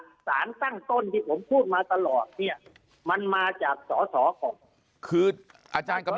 สาธารณ์ตั้งต้นที่ผมกูมาตลอดเฮี่ยมันมาจากสของคือว่าไม่